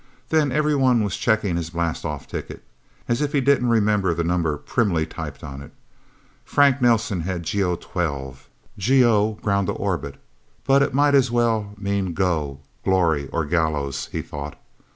Then everybody was checking his blastoff ticket, as if he didn't remember the number primly typed on it. Frank Nelsen had GO 12. GO Ground to Orbit. But it might as well mean go! glory, or gallows, he thought.